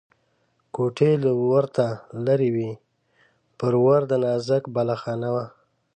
کوټې له ورته لرې وې، پر ور د نازک بالاخانه وه.